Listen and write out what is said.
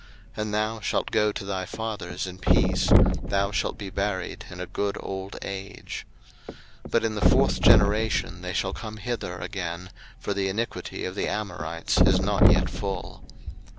01:015:015 And thou shalt go to thy fathers in peace; thou shalt be buried in a good old age. 01:015:016 But in the fourth generation they shall come hither again: for the iniquity of the Amorites is not yet full.